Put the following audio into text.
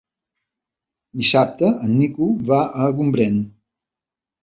Dissabte en Nico va a Gombrèn.